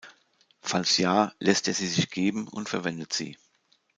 Falls ja, lässt er sie sich geben und verwendet sie.